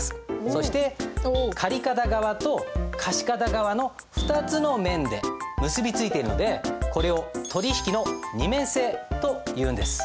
そして借方側と貸方側の２つの面で結び付いてるのでこれを取引の二面性というんです。